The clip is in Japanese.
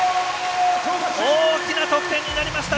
大きな得点になりました。